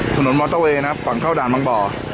มอเตอร์เวย์นะครับก่อนเข้าด่านบางบ่อ